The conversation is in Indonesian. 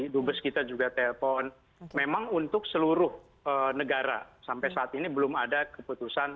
dubes kita juga telpon memang untuk seluruh negara sampai saat ini belum ada keputusan